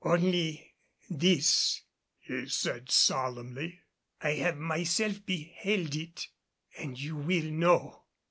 "Only this," he said solemnly; "I have myself beheld it and you will know."